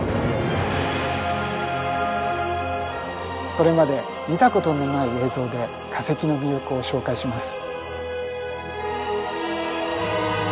これまで見たことのない映像で化石の魅力を紹介します。